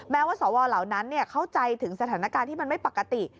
แม้ว่าสวเหล่านั้นเข้าใจถึงสถานการณ์ที่มันไม่ปกติ